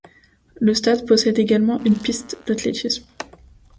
Le stade possède également une piste d'athlétisme.